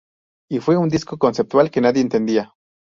Y fue un disco conceptual, que nadie entendía.